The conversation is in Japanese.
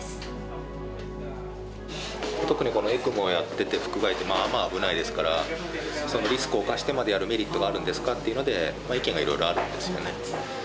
特にこのエクモをやってて腹臥位ってまあまあ危ないですからそのリスクを冒してまでやるメリットがあるんですかっていうので意見がいろいろあるんですよね。